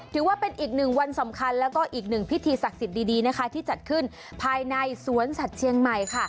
ถือว่าเป็นอีกหนึ่งวันสำคัญแล้วก็อีกหนึ่งพิธีศักดิ์สิทธิ์ดีนะคะที่จัดขึ้นภายในสวนสัตว์เชียงใหม่ค่ะ